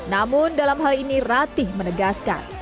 namun dalam hal ini ratih menegaskan